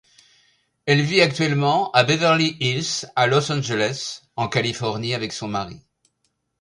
Elle vit actuellement à Beverly Hills, à Los Angeles en Californie avec son mari.